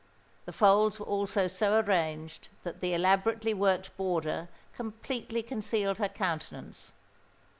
The folds were also so arranged that the elaborately worked border completely concealed her countenance.